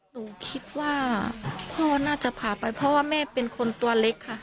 หนูคิดว่าพ่อน่าจะพาไปเพราะว่าแม่เป็นคนตัวเล็กค่ะ